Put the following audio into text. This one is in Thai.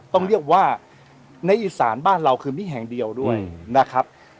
ต้องเรียกว่าในอีสานบ้านเราคือมีแห่งเดียวด้วยนะครับ